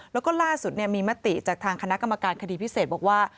แล้วก็ล่าสุดมีมติจากทางคณะกรรมการคดีพิเศษบอกว่า